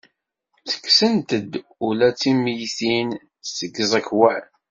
Ttekksent-d ula d lmeyytin seg iẓekwan.